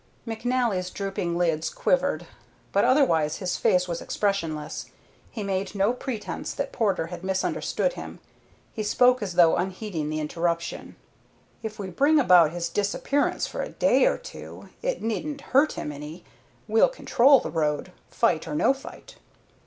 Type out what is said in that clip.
McNally's drooping lids quivered, but otherwise his face was expressionless. He made no pretence that Porter had misunderstood him. He spoke as though unheeding the interruption. "If we bring about his disappearance for a day or two, it needn't hurt him any, we'll control the road, fight or no fight."